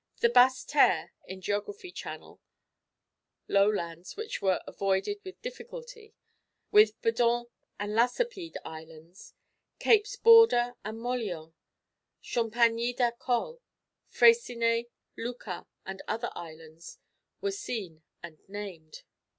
The Basseterre, in Geography channel low lands, which were avoided with difficulty with Bedont and Lacepede Islands, Capes Borda and Mollien, Champagny d'Arcole, Freycinet, Lucas, and other islands, were seen and named.